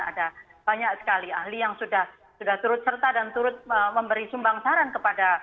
ada banyak sekali ahli yang sudah turut serta dan turut memberi sumbang saran kepada